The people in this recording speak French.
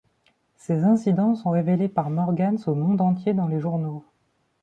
Ces incidents sont révélés par Morgans au monde entier dans les journaux.